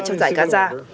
trong dài gaza